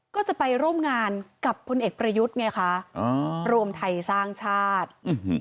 ก็จะไปร่วมงานกับพลเอกประยุทธ์ไงคะรวมไทยสร้างชาติ